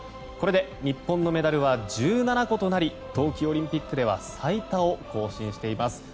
これで日本のメダルは１７個となり冬季オリンピックでは最多を更新しています。